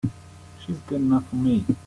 She's good enough for me!